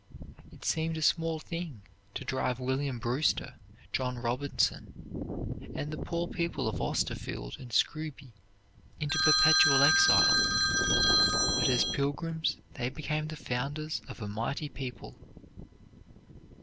It seemed a small thing to drive William Brewster, John Robinson, and the poor people of Austerfield and Scrooby into perpetual exile, but as Pilgrims they became the founders of a mighty people.